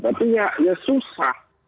tapi ya susah